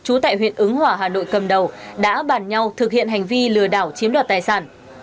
ứng hỏa hà nội cầm đầu đã bàn nhau thực hiện hành vi lừa đảo chiếm đoạt tài sản